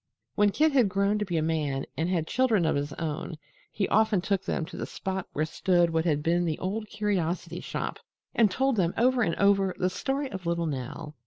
When Kit had grown to be a man and had children of his own, he often took them to the spot where stood what had been The Old Curiosity Shop and told them over and over the story of little Nell.